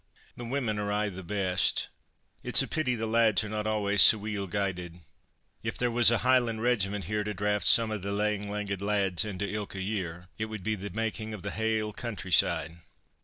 The women are aye the best, it's a pity the lads are not always sae weel guided. If there was a Hieland regiment here to draft some of thae lang leggit lads into ilka year, it would be the making of the haill countryside."